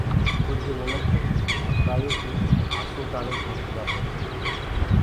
ڪُج مآڻو مڪآئي گآه ڪي ڪري پوکدآ هينٚ۔